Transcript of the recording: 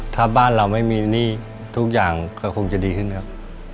ถ้าบ้านเราไม่มีหนี้ทุกอย่างก็คงจะดีขึ้นครับ